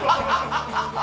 ハハハハ！